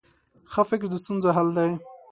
ښه فکر د ستونزو حل دی.